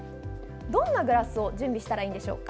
どんなグラスを準備したらいいんでしょうか。